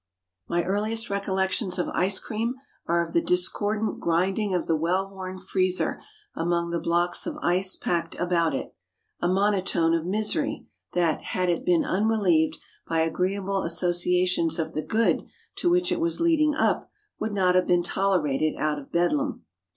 My earliest recollections of ice cream are of the discordant grinding of the well worn freezer among the blocks of ice packed about it—a monotone of misery, that, had it been unrelieved by agreeable associations of the good to which it was "leading up," would not have been tolerated out of Bedlam.